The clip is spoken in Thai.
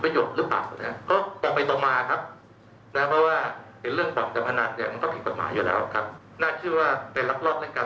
สำหรับเรื่องที่ว่าจะมีการผลย้ายอะไรหรือเปล่าก็ยืนยันก็อยู่ระหว่างการตรวจสอบนะครับ